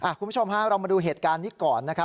คุณผู้ชมฮะเรามาดูเหตุการณ์นี้ก่อนนะครับ